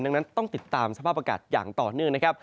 ดังนั้นต้องติดตามสภาพประกาศอย่างต่อเนื่อง